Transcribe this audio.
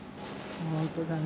本当だね。